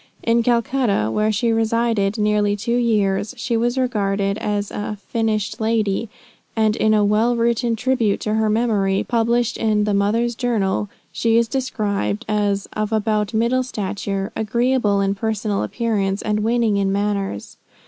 In Calcutta, where she resided nearly two years, she was regarded as a "finished lady;" and in a well written tribute to her memory, published in the Mother's Journal, she is described as "of about middle stature, agreeable in personal appearance, and winning in manners.